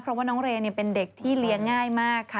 เพราะว่าน้องเรย์เป็นเด็กที่เลี้ยงง่ายมากค่ะ